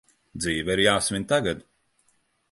Dzīve ir jāsvin tagad!